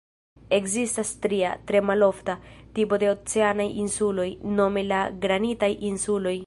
Ekzistas tria, tre malofta, tipo de oceanaj insuloj, nome la granitaj insuloj.